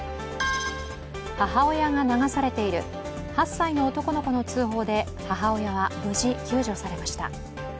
母親が流されている、８歳の男の子の通報で母親は無事、救助されました。